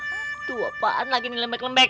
aduh apaan lagi nih lembek lembek